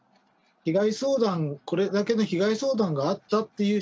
被害相談、これだけの被害相談があってという